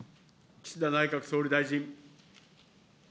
岸田内閣総理大臣。